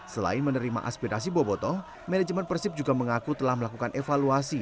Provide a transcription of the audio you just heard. selain menerima aspirasi boboto manajemen persib juga mengaku telah melakukan evaluasi